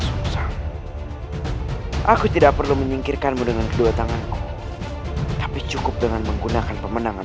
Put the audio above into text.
susah aku tidak perlu menyingkirkanmu dengan kedua tanganku tapi cukup dengan menggunakan pemenangan